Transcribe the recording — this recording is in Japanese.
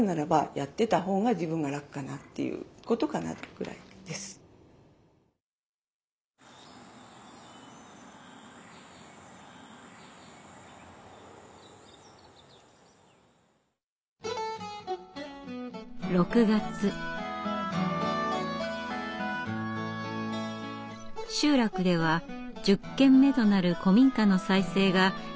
集落では１０軒目となる古民家の再生が着々と進んでいました。